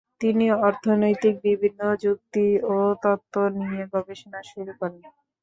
তিনি অর্থনৈতিক বিভিন্ন যুক্তি ও তত্ত্ব নিয়ে গবেষণা শুরু করেন।